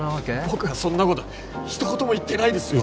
僕はそんなこと一言も言ってないですよ